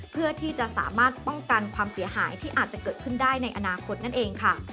เพื่อที่จะสามารถป้องกันความเสียหายที่อาจจะเกิดขึ้นได้ในอนาคตนั่นเองค่ะ